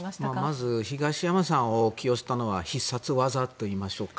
まず東山さんを起用したのは必殺技というか。